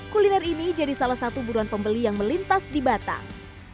kuliner ini jadi salah satu buruan pembeli yang melintas di batang